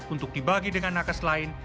untuk dibagi dengan nakes lain